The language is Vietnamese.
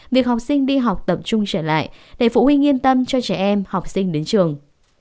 việc học sinh đi học tập trung trở lại để phụ huynh yên tâm cho trẻ em học sinh đến trường